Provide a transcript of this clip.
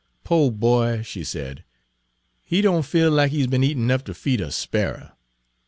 "Po' boy," she said, "he doan feel lack he 's be'n eatin' nuff to feed a sparrer.